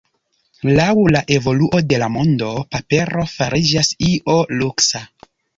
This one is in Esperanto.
Laŭ la evoluo de la mondo papero fariĝas io luksa.